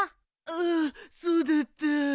ああそうだった。